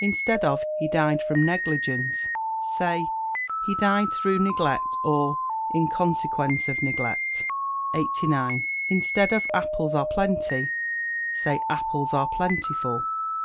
Instead of "He died from negligence," say "He died through neglect," or "in consequence of neglect." 89. Instead of "Apples are plenty," say "Apples are plentiful."